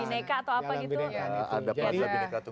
apa jalan bineka atau apa gitu